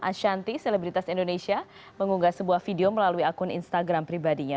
ashanti selebritas indonesia mengunggah sebuah video melalui akun instagram pribadinya